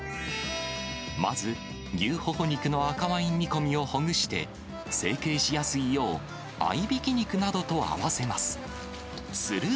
まず牛ホホ肉の赤ワイン煮込みをほぐして、成形しやすいよう合いびき肉などと合わせます。